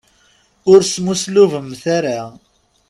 Ur smuslubemt ara.